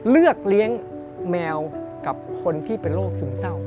เลือกเลี้ยงแมวกับคนที่เป็นโรคซึมเศร้า